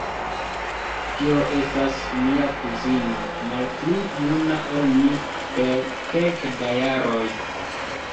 Tio estas mia kuzino, malpli juna ol mi per kelke da jaroj.